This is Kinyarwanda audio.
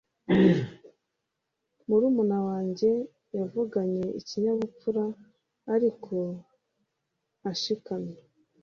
murumuna wanjye yavuganye ikinyabupfura ariko ashikamye